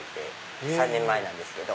３年前なんですけど。